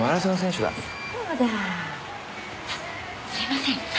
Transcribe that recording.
すいません。